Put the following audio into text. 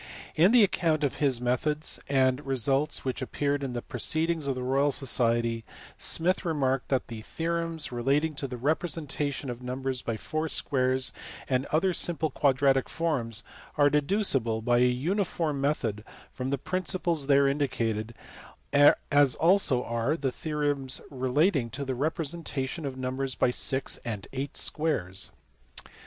In the account of his methods and results which appeared in the Proceedings of the Royal Society*, Smith re marked that the theorems relating to the representation of numbers by four squares and other simple quadratic forms, are deducible by a uniform method from the principles there indi cated, as also are the theorems relating to the representation of numbers by six and eight squares.